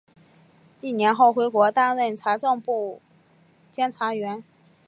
一年后回国担任财政部监察员。